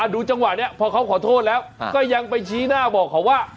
ดูจังหวะนี้พอเขาขอโทษแล้วก็ยังไปชี้หน้าบอกเขาว่า